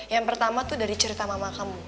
yang pertama tuh dari cerita mama kamu